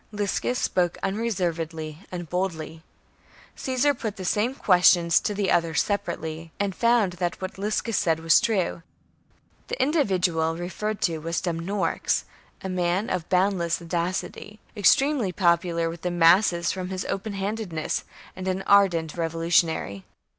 Liscus spoke unreservedly and boldly. Caesar put the same questions to others separately, and found that what Liscus said was true. The individual referred to was Dumnorix, a man of boundless audacity, extremely popular with the masses from his open handedness, and an ardent revolutionary.